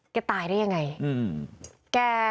ตายได้ยังไง